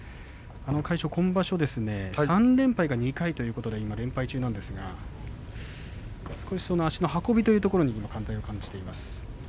今場所は３連敗は２回ということで連敗中なんですが少しその足の運びというところに課題を感じています。